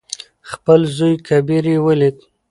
خپل زوى کبير يې ولېد.